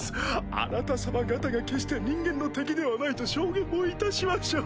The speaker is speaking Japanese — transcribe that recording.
あなた様方が決して人間の敵ではないと証言もいたしましょう。